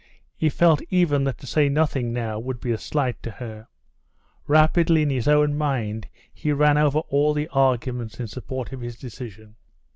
He felt even that to say nothing now would be a slight to her. Rapidly in his own mind he ran over all the arguments in support of his decision.